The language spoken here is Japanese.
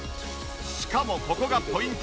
しかもここがポイント！